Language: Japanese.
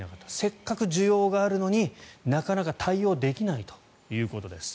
せっかく需要があるのになかなか対応できないということです。